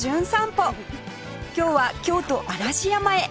今日は京都嵐山へ